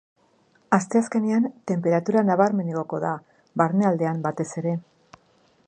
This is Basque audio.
Astezkenean, tenperatura nabarmen igoko da, barnealdean batez ere.